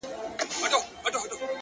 o بيا د تورو سترګو و بلا ته مخامخ يمه ـ